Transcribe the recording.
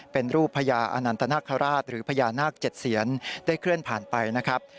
เป็นรูปพญาอนันตนาคาราชหรือพญานาค๗เสียนได้เคลื่อนผ่านไปนะครับ